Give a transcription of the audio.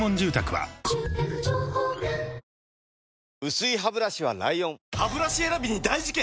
薄いハブラシは ＬＩＯＮハブラシ選びに大事件！